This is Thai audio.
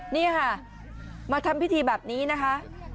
นี่ค่ะมาทำพิธีแบบนี้นะคะ